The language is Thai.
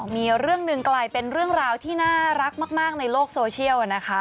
มีเรื่องหนึ่งกลายเป็นเรื่องราวที่น่ารักมากในโลกโซเชียลนะคะ